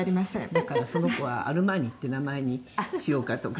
「だからその子はアルマーニっていう名前にしようかとか」